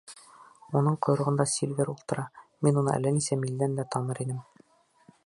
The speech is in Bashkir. Уның ҡойроғонда Сильвер ултыра, мин уны әллә нисә милдән дә таныр инем.